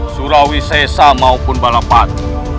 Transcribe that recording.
surawisesa maupun balapak